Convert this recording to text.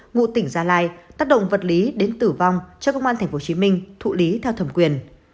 ngụ tỉnh gia lai tác động vật lý đến tử vong cho công an tp hcm thụ lý theo thẩm quyền